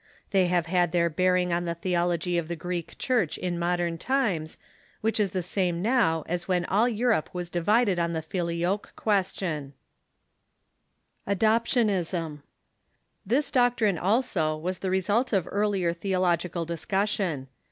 They have had their bearing on the theology of the Greek Church in modern times, which is the same now as when all Europe was divided on the Filioque question. This doctrine, also, was a result of earlier theological dis cussion.